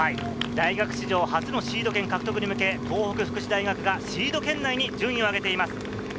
大学史上初のシード権獲得に向けて、東北福祉大学がシード権内に順位を上げています。